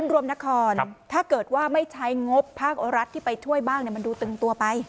รวมนครถ้าเกิดว่าไม่ใช้งบภาครัฐที่ไปช่วยบ้างมันดูตึงตัวไป